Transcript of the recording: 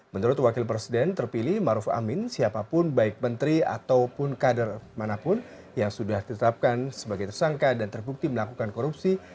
menurut wakil presiden terpilih maruf amin siapapun baik menteri ataupun kader manapun yang sudah ditetapkan sebagai tersangka dan terbukti melakukan korupsi